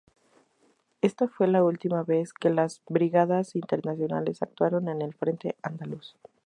Esta fue la última vez que las brigadas internacionales actuaron en el Frente andaluz.